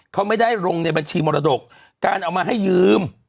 เขาไม่ได้ลงในบัญชีมรดกการเอามาให้ยืม